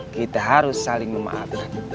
kita harus saling memaafkan